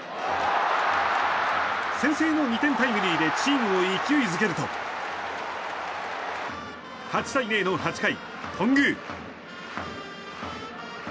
先制の２点タイムリーでチームを勢いづけると８対０の８回、頓宮。